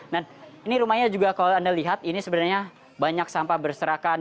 nah ini rumahnya juga kalau anda lihat ini sebenarnya banyak sampah berserakan